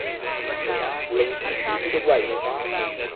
O l’é in scî pissi de guaî.